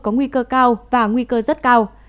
có nguy cơ cao và nguy cơ rất cao